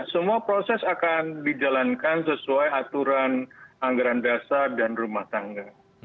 semua proses akan dijalankan sesuai aturan anggaran dasar dan rumah tangga